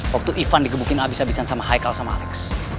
waktu ivan dikebukin abis abisan sama haikal sama alex